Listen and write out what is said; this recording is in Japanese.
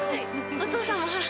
お父さんもほら！